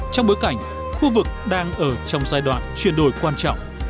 trong bối cảnh khu vực đang ở trong giai đoạn chuyển đổi quan trọng